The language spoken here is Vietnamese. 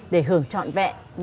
để hưởng chọn về nhà mình